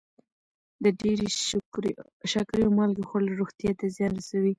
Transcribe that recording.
د ډېرې شکرې او مالګې خوړل روغتیا ته زیان رسوي.